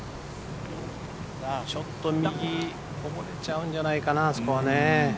ちょっと右こぼれちゃうんじゃないかな、あそこはね。